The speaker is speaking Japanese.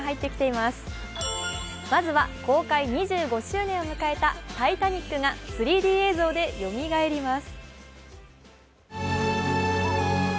まずは、公開２５周年を迎えた「タイタニック」が３Ｄ映像でよみがえります。